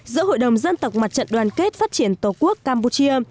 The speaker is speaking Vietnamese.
giữa hội đồng dân tộc mặt trận đoàn kết phát triển tổ quốc campuchia